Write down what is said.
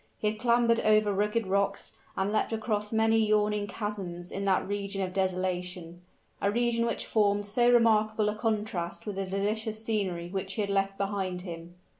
He had clambered over rugged rocks and leapt across many yawning chasms in that region of desolation, a region which formed so remarkable a contrast with the delicious scenery which he had left behind him.